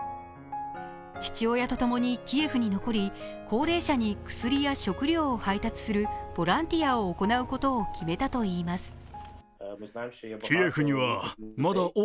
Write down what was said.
父親とともにキエフに残り、高齢者に薬や食料を配達する、ボランティアを行うことを決めたといいます。